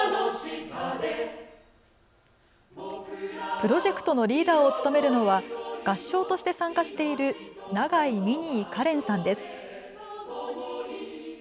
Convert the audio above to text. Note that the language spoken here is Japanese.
プロジェクトのリーダーを務めるのは合唱として参加している長井ミニー夏蓮さんです。